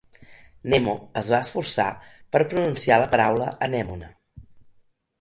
Nemo es va esforçar per pronunciar la paraula anemona.